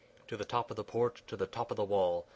_ To the top of the porch! to the top of the wall!